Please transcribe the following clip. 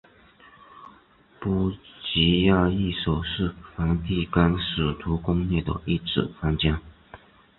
波吉亚寓所是梵蒂冈使徒宫内的一组房间。